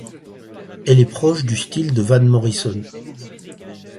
Elle est proche du style de Van Morrison.